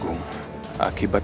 kau masih sembarian